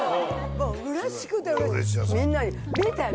もううれしくてうれしくて。